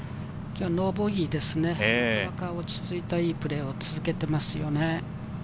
今日はノーボギー、落ち着いた、いいプレーを続けていますね。